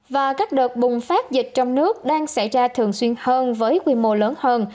và các đợt bùng phát dịch trong nước đang xảy ra thường xuyên hơn với quy mô lớn hơn